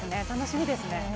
楽しみですね。